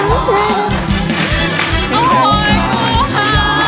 โอ้โฮ